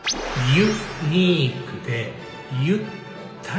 「ユ・ニークでゆ・ったり」。